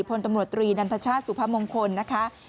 พลตำรวจตรีนันทชาติสุพมงคลนะคะ